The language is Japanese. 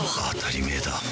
当たり前だ。